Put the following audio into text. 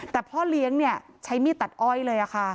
แต่พ่อเลี้ยงใช้มีดตัดอ้อยเลยค่ะ